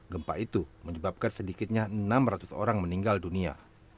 gempa itu menyebabkan sedikitnya enam ratus orang meninggal dunia